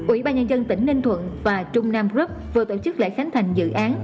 ủy ban nhân dân tỉnh ninh thuận và trung nam group vừa tổ chức lễ khánh thành dự án